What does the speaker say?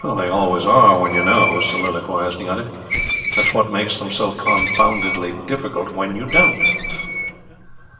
"They always are when you know," soliloquised the other. "That's what makes them so confoundedly difficult when you don't."